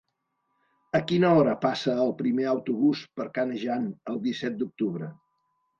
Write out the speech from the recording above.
A quina hora passa el primer autobús per Canejan el disset d'octubre?